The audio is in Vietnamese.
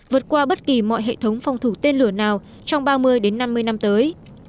vượt qua bất kỳ mọi hệ thống phòng thủ tên lửa nào trong ba mươi năm mươi năm tới